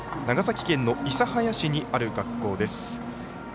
長崎県の諫早市にある学校です。